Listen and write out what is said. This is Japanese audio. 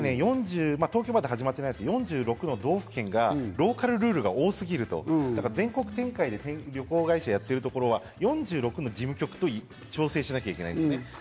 東京、まだ始まってませんけれども、４６の道府県がローカルルールが多いと、全国展開で旅行会社やってるところ、４６の事務局と調整しなきゃいけないですね。